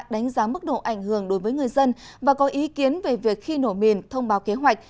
đánh giá mức độ ảnh hưởng đối với người dân và có ý kiến về việc khi nổ mìn thông báo kế hoạch